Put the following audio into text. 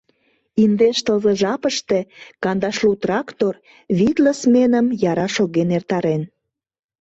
Индеш тылзе жапыште кандашлу трактор витле сменым яра шоген эртарен.